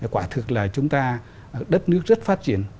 quả thực là chúng ta đất nước rất phát triển